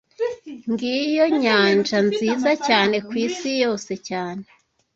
Ngiyo nyanja nziza cyane kwisi yose cyane